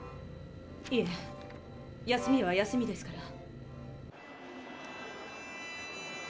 いえ休みは休みですから。